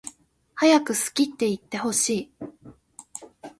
はやく好きっていってほしい